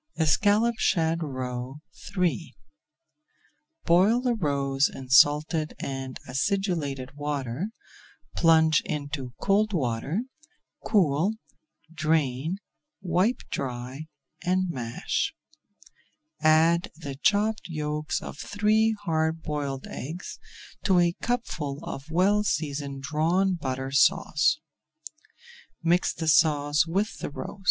ESCALLOPED SHAD ROE III Boil the roes in salted and acidulated water, plunge into cold water, cool, drain, wipe dry, and mash. Add the chopped yolks of three hard boiled eggs to a cupful of well seasoned Drawn Butter Sauce. Mix the sauce with the roes.